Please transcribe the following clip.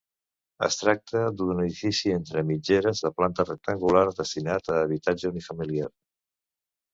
Es tracta d'un edifici entre mitgeres de planta rectangular destinat a habitatge unifamiliar.